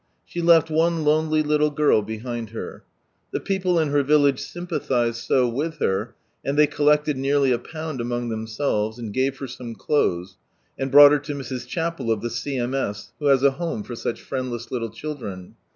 She left one lonely little girl behind her. The people in her village sympa thised lO with her, and ihey collected nearly a pound among themselves, and gave her tome clothes, and brought her to Mrs. Chappell of the C.M.S., who has a home for such friendless little children.